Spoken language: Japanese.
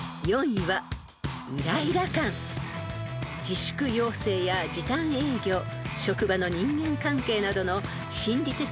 ［自粛要請や時短営業職場の人間関係などの心理的